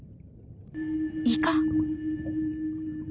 イカ？